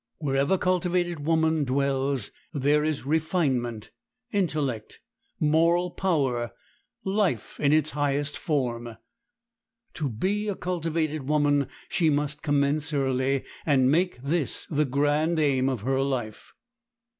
Wherever cultivated woman dwells, there is refinement, intellect, moral power, life in its highest form. To be a cultivated woman she must commence early, and make this the grand aim of her life.